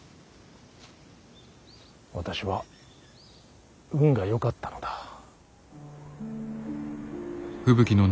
私は運がよかったのだ。